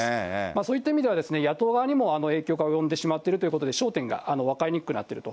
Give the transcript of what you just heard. そういった意味では、野党側にも影響が及んでしまっているということで、焦点が分かりにくくなっていると。